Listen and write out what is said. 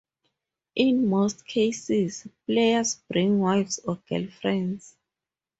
In most cases, players bring wives or girlfriends.